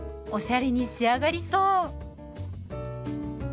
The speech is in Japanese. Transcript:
おしゃれに仕上がりそう！